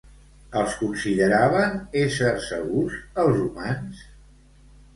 Els consideraven éssers segurs els humans?